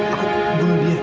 aku bunuh dia